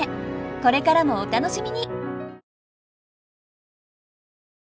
これからもお楽しみに。